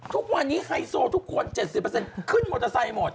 ทุกวันนี้ไฮโซทุกคน๗๐ขึ้นมอเตอร์ไซค์หมด